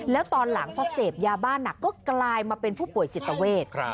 แล้วตอนหลังพอเสพยาบ้านหนักก็กลายมาเป็นผู้ป่วยจิตเวท